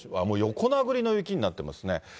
もう横殴りの雪になってますね。